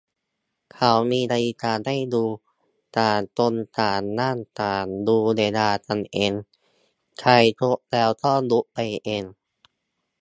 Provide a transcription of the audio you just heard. เขามีนาฬิกาให้ดู ต่างคนต่างนั่งต่างดูเวลากันเอง ใครครบแล้วก็ลุกไปเอง